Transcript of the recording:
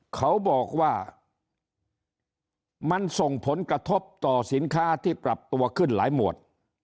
เขาบอกว่ามันส่งผลกระทบต่อสินค้าที่ปรับตัวขึ้นหลายหมวด